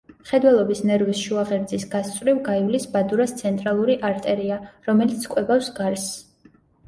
მხედველობის ნერვის შუა ღერძის გასწვრივ გაივლის ბადურას ცენტრალური არტერია, რომელიც კვებავს გარსს.